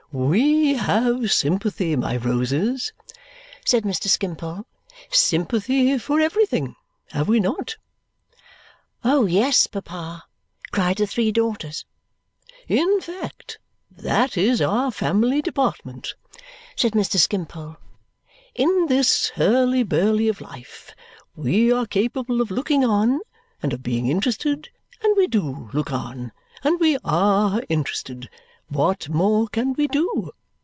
"We have sympathy, my roses," said Mr. Skimpole, "sympathy for everything. Have we not?" "Oh, yes, papa!" cried the three daughters. "In fact, that is our family department," said Mr. Skimpole, "in this hurly burly of life. We are capable of looking on and of being interested, and we DO look on, and we ARE interested. What more can we do?